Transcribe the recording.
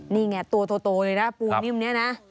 นี่ไงตัวโตเลยนะปูนิ่มนี้นะ